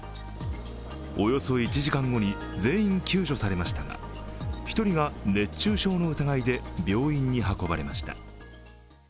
およそ１時間後に全員救助されましたが１人が熱中症の疑いで病院に運ばれました。